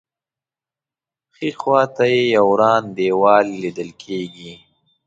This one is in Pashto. ښی خوا ته یې یو وران دیوال لیدل کېږي.